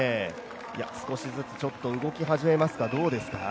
少しずつ動き始めますか。